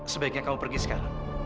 sebaiknya kamu pergi sekarang